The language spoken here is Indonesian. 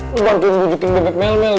lo bantuin rewujukin bebek melmel